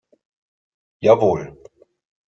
Jawohl!